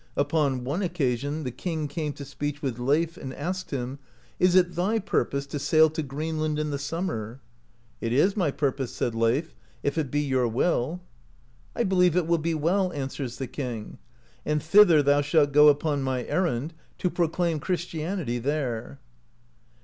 Upon one occasion the king came to speech with Leif, and asked him, "Is it thy purpose to sail to Greenland in the sum mer?" "It is my purpose," said Leif, "if it be your will." "I believe it will be well," answers the king, "and thither thou shalt g^ upon my errand, to proclaim Christianity there."